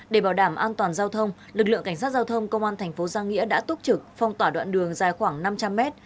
để bảo đảm an toàn giao thông lực lượng cảnh sát giao thông công an thành phố giang nghĩa đã túc trực phong tỏa đoạn đường dài khoảng năm trăm linh mét